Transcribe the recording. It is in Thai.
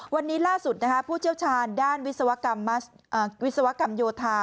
วันนี้ล่าสุดผู้เชี่ยวชาญด้านวิศวกรรมโยธา